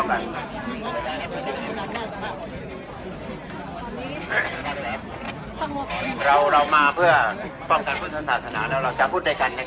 ก็ไม่มีใครกลับมาเมื่อเวลาอาทิตย์เกิดขึ้น